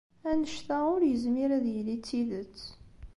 Anect-a ur yezmir ad yili d tidet.